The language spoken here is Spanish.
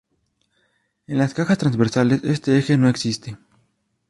En las cajas transversales este eje no existe.